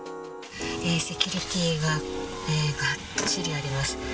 セキュリティーががっちりあります。